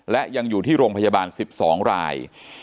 และยังอยู่ที่โรงพยาบาล๑๒ราย